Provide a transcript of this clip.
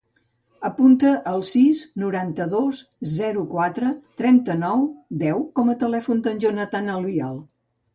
Apunta el sis, noranta-dos, zero, quatre, trenta-nou, deu com a telèfon del Jonathan Albiol.